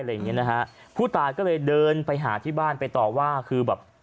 อย่างเงี้นะฮะผู้ตายก็เลยเดินไปหาที่บ้านไปต่อว่าคือแบบ